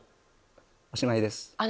おしまいです。